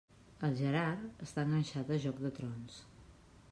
El Gerard està enganxat a Joc de trons.